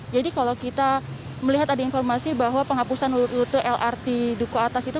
jadi kalau kita melihat ada informasi bahwa penghapusan lute lrt dukuh atas itu